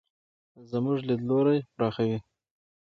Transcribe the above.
زموږ لیدلوری پراخوي.